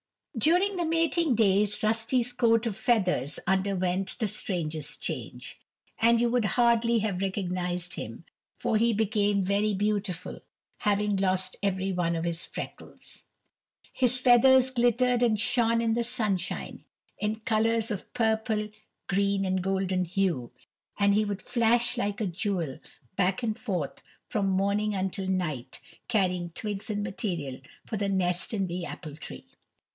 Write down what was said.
During the mating days Rusty's coat of feathers underwent the strangest change, and you would hardly have recognized him, for he became very beautiful, having lost every one of his freckles. His feathers glittered and shone in the sunshine in colors of purple, green and golden hue, and he would flash like a jewel back and forth from morning until night carrying twigs and material for the nest in the apple tree.